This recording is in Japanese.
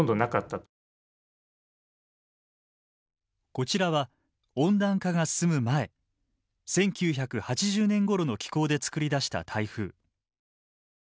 こちらは温暖化が進む前１９８０年ごろの気候で作り出した台風。